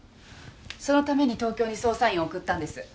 そのために東京に捜査員を送ったんです。